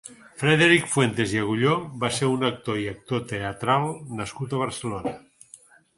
Frederic Fuentes i Agulló va ser un autor i actor teatral nascut a Barcelona.